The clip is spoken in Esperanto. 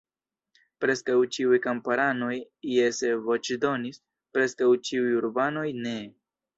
Preskaŭ ĉiuj kamparanoj jese voĉdonis; preskaŭ ĉiuj urbanoj nee.